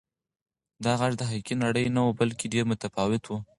دا غږ د حقیقي نړۍ نه و بلکې ډېر متفاوت و.